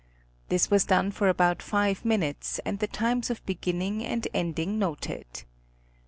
'This was done for about five minutes and the times of beginning and ending noted.